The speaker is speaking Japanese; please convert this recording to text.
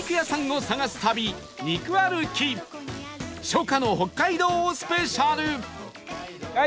初夏の北海道スペシャル